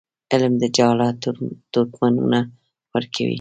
علم د جهالت تورتمونه ورکوي.